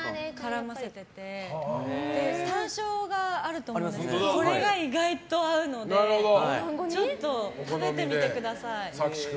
山椒があると思いますけどこれが意外と合うのでちょっと食べてみてください。